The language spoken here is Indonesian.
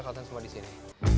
selesai semua di sini